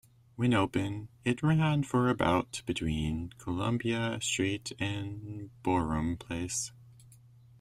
When open, it ran for about between Columbia Street and Boerum Place.